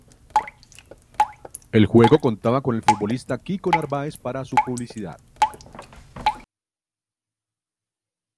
El juego contaba con el futbolista Kiko Narváez para su publicidad.